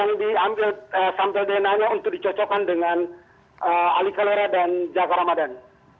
yang diambil sampel dna nya untuk dicocokkan dengan ali kalora dan jaka ramadan